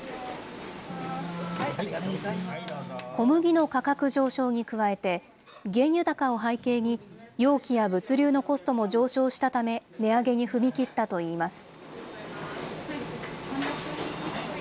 小麦の価格上昇に加えて、原油高を背景に、容器や物流のコストも上昇したため、値上げに踏み切ったといいます。